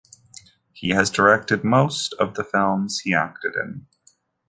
He has directed most of the films he acted in.